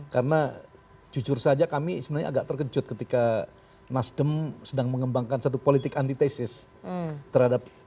karena jujur saja kami sebenarnya agak terkejut ketika nasdem sedang mengembangkan satu politik antitesis terhadap coklo gita